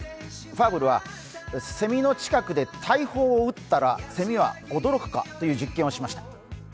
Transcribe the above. ファーブルはセミの近くで大砲を撃ったら、セミは驚くかという実験をしました。